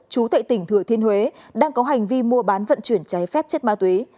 chú thệ tỉnh thừa thiên huế đang có hành vi mua bán vận chuyển cháy phép chất ma túy